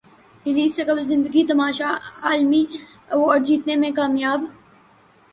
release سے قبل زندگی تماشا عالمی ایوارڈ جیتنے میں کامیاب